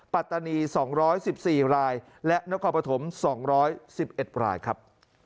ปัตตานี๒๑๔รายและนครปฐม๒๑๑รายครับ